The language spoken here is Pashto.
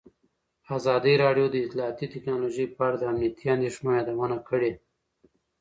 ازادي راډیو د اطلاعاتی تکنالوژي په اړه د امنیتي اندېښنو یادونه کړې.